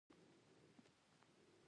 د خان اباد سیند وریجې خړوبوي